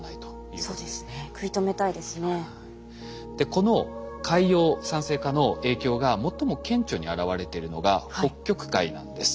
この海洋酸性化の影響が最も顕著に表れてるのが北極海なんです。